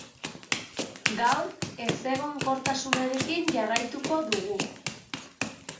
Gaur ezegonkortasunarekin jarraituko dugu.